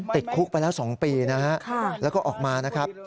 ติดคุกไปแล้ว๒ปีนะฮะแล้วก็ออกมานะครับ